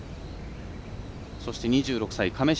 そして、２６歳亀代。